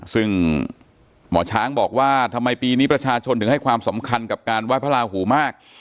ซึ่งหมอช้างบอกว่าทำไมปีนี้ประชาชนถึงให้ความสำคัญกับการไหว้พระลาหูมาก